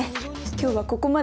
今日はここまで。